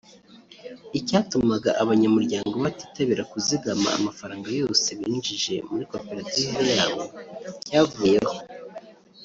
Icyatumaga abanyamuryango batitabira kuzigama amafaranga yose binjije muri koperative yabo cyavuyeho